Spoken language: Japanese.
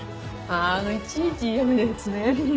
あのいちいち嫌みなやつね。